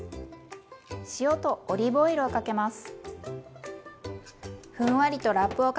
塩とオリーブオイルをかけます。